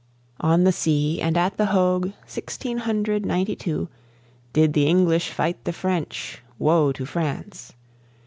On the sea and at the Hogue, sixteen hundred ninety two, Did the English fight the French woe to France!